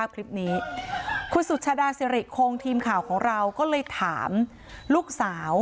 คลิปนี้คุณสุชาดาสิริโครงทีมข่าวของเราก็เลยถามลูกสาว